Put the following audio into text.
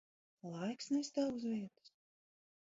Laiks nestāv uz vietas.